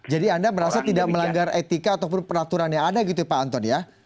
jadi anda merasa tidak melanggar etika ataupun peraturan yang ada gitu pak anton ya